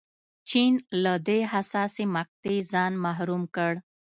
چین له دې حساسې مقطعې ځان محروم کړ.